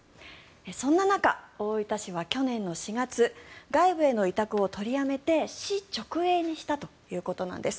そんな中、大分市は去年の４月外部への委託を取りやめて市直営にしたということなんです。